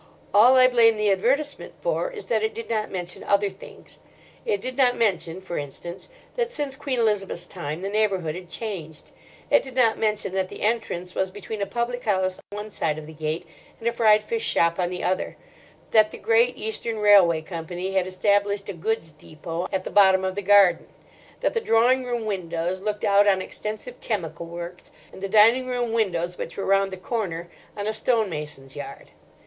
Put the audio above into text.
All I blame the advertisement for is that it did not mention other things. It did not mention, for instance, that since Queen Elizabeth's time the neighbourhood had changed. It did not mention that the entrance was between a public house one side of the gate and a fried fish shop on the other; that the Great Eastern Railway Company had established a goods depot at the bottom of the garden; that the drawing room windows looked out on extensive chemical works, and the dining room windows, which were round the corner, on a stonemason's yard.